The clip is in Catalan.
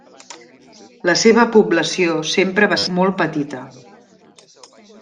La seva població sempre va ser molt petita.